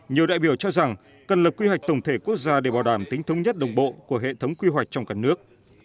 nhiều đại biểu cho rằng cần lập quy hoạch tổng thể quốc gia để bảo đảm tính thống nhất đồng bộ của hệ thống quy hoạch trong cả nước